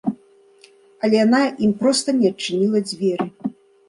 Але яна ім проста не адчыніла дзверы.